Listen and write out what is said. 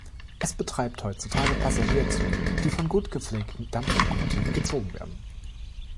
Es betreibt heutzutage Passagierzüge, die von gut gepflegten Dampflokomotiven gezogen werden.